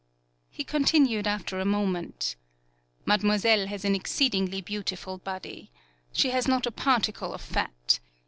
He continued after a moment: "Mademoiselle has an exceedingly beautiful body. She has not a particle of fat.